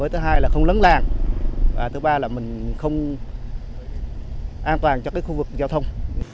thứ hai là không lấn làng thứ ba là mình không an toàn cho khu vực giao thông